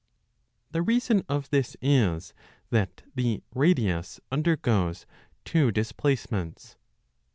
The reason of this is that .the radius undergoes two dis placements.